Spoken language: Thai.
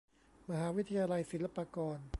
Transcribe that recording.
มหาวิทยาลัยศิลปากร